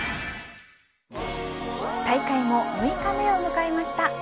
大会も６日目を迎えました。